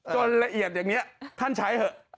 ละเอียดอย่างนี้ท่านใช้เถอะ